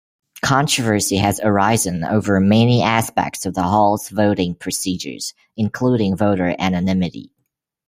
Controversy has arisen over many aspects of the Hall's voting procedures, including voter anonymity.